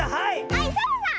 はいサボさん！